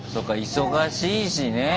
忙しいしねえ。